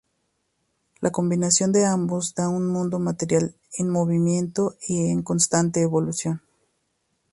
La combinación de ambos da un mundo material en movimiento y en constante evolución.